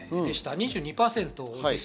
２２％です。